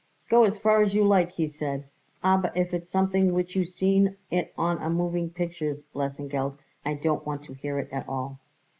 "Go as far as you like," he said, "aber if it's something which you seen it on a moving pictures, Lesengeld, I don't want to hear it at all."